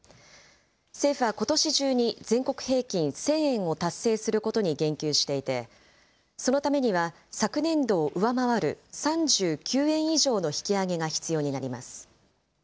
政府はことし中に全国平均１０００円を達成することに言及していて、そのためには昨年度を上回る３９円以上の引き上げが必要になります。